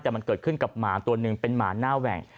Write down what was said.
แต่มันเกิดขึ้นกับหมาตัวหนึ่งเป็นหมาหน้าแหว่ง